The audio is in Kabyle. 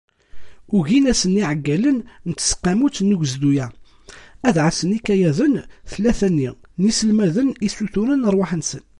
Ugin-asen yiɛeggalen n tseqqamut n ugezdu-a, ad ɛassen ikayaden tlata-nni n yiselmaden i ssuturen rrwaḥ-nsen.